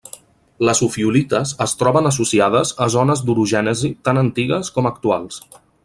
Les ofiolites es troben associades a zones d'orogènesi tant antigues com actuals.